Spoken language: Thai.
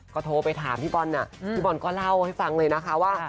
ก็โทรไปถามพี่บอลน่ะพี่บอลก็เล่าให้ฟังเลยนะคะว่า